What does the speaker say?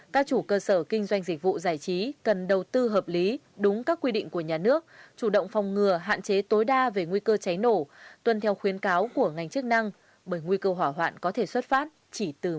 các chủ cơ sở kinh doanh dịch vụ giải trí cần đầu tư hợp lý đúng các quy định của nhà nước chủ động phòng ngừa hạn chế tối đa về nguy cơ cháy nổ tuân theo khuyến cáo của ngành chức năng bởi nguy cơ hỏa hoạn có thể xuất phát chỉ từ